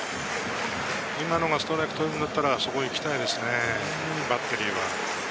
今のがストライク取るんだったら、あそこに行きたいですね、バッテリーは。